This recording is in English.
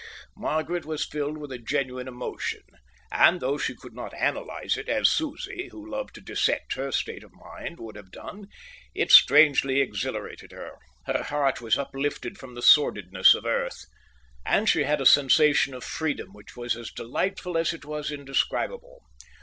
Margaret was filled with a genuine emotion; and though she could not analyse it, as Susie, who loved to dissect her state of mind, would have done, it strangely exhilarated her. Her heart was uplifted from the sordidness of earth, and she had a sensation of freedom which was as delightful as it was indescribable.